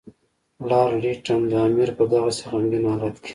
لارډ لیټن د امیر په دغسې غمګین حالت کې.